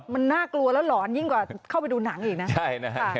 มันน่ากลัวแล้วหลอนยิ่งกว่าเข้าไปดูหนังอีกนะ